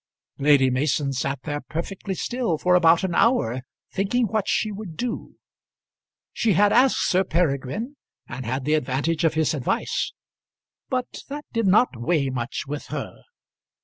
Lady Mason sat there perfectly still for about an hour thinking what she would do. She had asked Sir Peregrine, and had the advantage of his advice; but that did not weigh much with her.